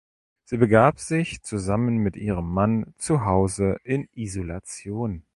Sie begab sich zusammen mit ihrem Mann zu Hause in Isolation.